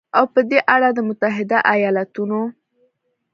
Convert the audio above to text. او په دې اړه د متحدو ایالتونو